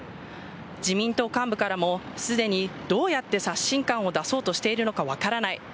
自民党幹部からもすでにどうやって刷新感を出そうとしているのか分からない。